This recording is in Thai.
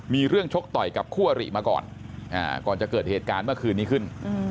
มีเรื่องชกต่อยกับคู่อริมาก่อนก่อนจะเกิดเหตุการณ์เมื่อคืนนี้ขึ้น